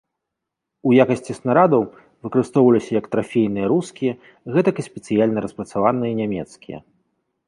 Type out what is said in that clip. У якасці снарадаў выкарыстоўваліся як трафейныя рускія, гэтак і спецыяльна распрацаваныя нямецкія.